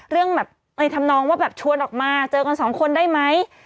เรื่องแบบในธรรมนองว่าแบบชวนออกมาเจอกันสองคนได้ไหม